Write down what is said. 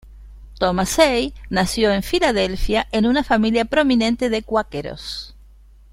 Thomas Say nació en Filadelfia en una familia prominente de cuáqueros.